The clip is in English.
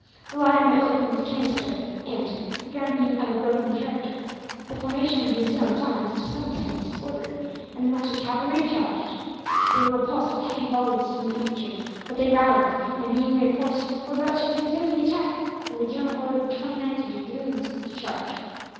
The latter now opened with canister and, the ground being of a broken character, the formation of the assailants' line was to some extent disordered and the Mahratta cavalry charged. They were repulsed by heavy volleys from the infantry, but they rallied and, being reinforced, were about to resume the attack, when the general ordered the 29th Dragoons to charge.